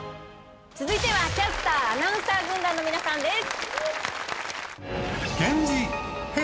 続いてはキャスター・アナウンサー軍団の皆さんです。